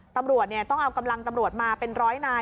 ตำรวจต้องเอากำลังตำรวจมาเป็นร้อยนาย